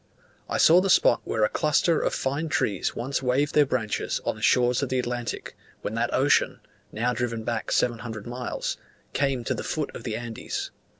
I saw the spot where a cluster of fine trees once waved their branches on the shores of the Atlantic, when that ocean (now driven back 700 miles) came to the foot of the Andes.